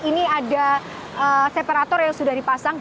ini ada separator yang sudah dipasang